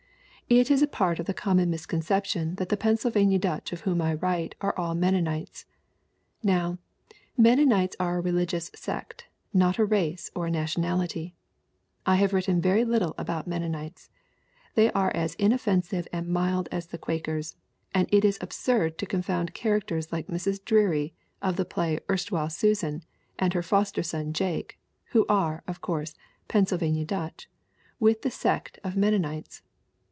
"It is a part of the common misconception that the Pennsylvania Dutch of whom I write are all Men nonites. Now, Mennonites are a religious sect, not a race or a nationality! I have written very little about Mennonites. They are as inoffensive and mild as the Quakers, and it is absurd to confound characters like Mrs. Dreary of the play Erstwhile Susan and her foster son Jake (who are, of course, Pennsylvania Dutch) with the sect of Mennonites.